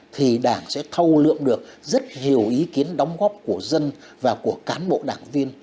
thì đảng sẽ thâu lượm được rất nhiều ý kiến đóng góp của dân và của cán bộ đảng viên